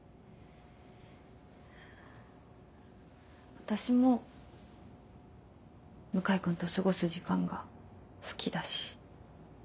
私も向井君と過ごす時間が好きだし。